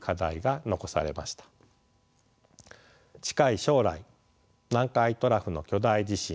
近い将来南海トラフの巨大地震